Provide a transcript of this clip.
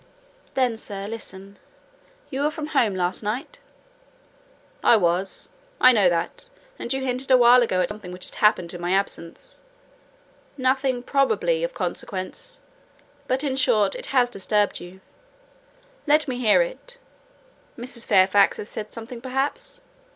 "Then, sir, listen. You were from home last night?" "I was: I know that; and you hinted a while ago at something which had happened in my absence:—nothing, probably, of consequence; but, in short, it has disturbed you. Let me hear it. Mrs. Fairfax has said something, perhaps?